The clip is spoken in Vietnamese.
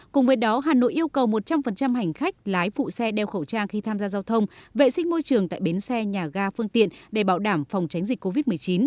cùng với đó hà nội yêu cầu một trăm linh hành khách lái phụ xe đeo khẩu trang khi tham gia giao thông vệ sinh môi trường tại bến xe nhà ga phương tiện để bảo đảm phòng tránh dịch covid một mươi chín